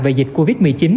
về dịch covid một mươi chín